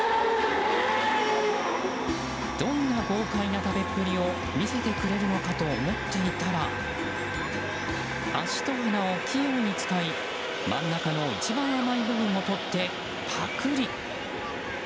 どんな豪快な食べっぷりを見せてくれるのかと思っていたら脚と鼻を器用に使い真ん中の一番甘い部分を取ってパクリ。